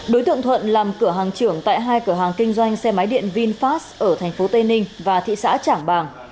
đối tượng thuận làm cửa hàng trưởng tại hai cửa hàng kinh doanh xe máy điện vinfast ở thành phố tây ninh và thị xã trảng bàng